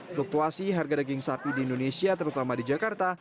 fluktuasi harga daging sapi di indonesia terutama di jakarta